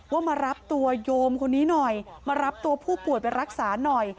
มารับตัวโยมคนนี้หน่อยมารับตัวผู้ป่วยไปรักษาหน่อย